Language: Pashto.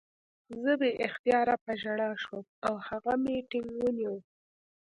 زه بې اختیاره په ژړا شوم او هغه مې ټینګ ونیو